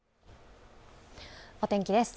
お天気です。